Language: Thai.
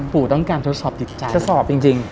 ปู่ต้องการทดสอบจิตใจ